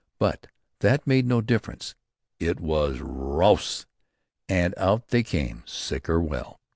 But that made no difference. It was "Raus!" and out they came, sick or well.